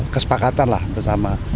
kesepakatan lah bersama